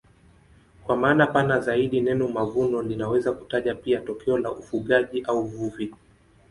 Kwa maana pana zaidi neno mavuno linaweza kutaja pia tokeo la ufugaji au uvuvi.